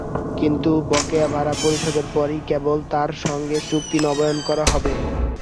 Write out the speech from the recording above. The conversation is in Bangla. কিন্তু বকেয়া ভাড়া পরিশোধের পরই কেবল তাঁর সঙ্গে চুক্তি নবায়ন করা হবে।